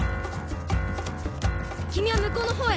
君はむこうの方へ。